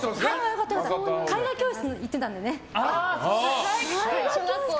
絵画教室行ってたのでね。